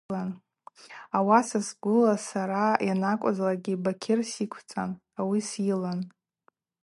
Ауаса сгвыла сара йанакӏвызлакӏгьи Бакьыр сиквцӏан, ауи сйылан.